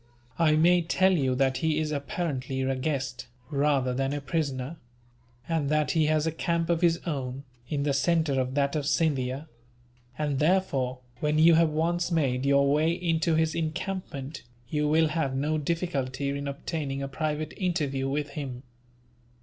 I may tell you that he is apparently a guest, rather than a prisoner; and that he has a camp of his own, in the centre of that of Scindia; and therefore, when you have once made your way into his encampment, you will have no difficulty in obtaining a private interview with him.